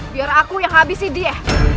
biar aku yang habisi dia